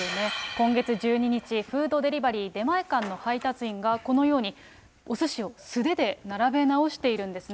今月１２日、フードデリバリー、出前館の配達員が、このようにおすしを素手で並べ直しているんですね。